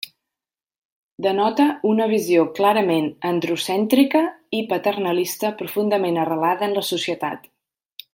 Denota una visió clarament androcèntrica i paternalista profundament arrelada en la societat.